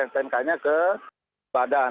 snk nya ke badan